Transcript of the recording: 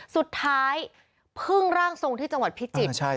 สุดท้ายพึ่งร่างทรงที่จังหวัดพิจิตร